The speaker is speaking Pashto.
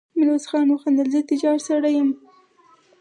ميرويس خان وخندل: زه تجار سړی يم.